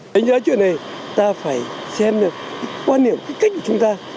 đánh giá chuyện này ta phải xem được quan niệm cách của chúng ta